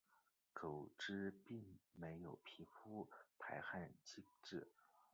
狗只并没有皮肤排汗机制。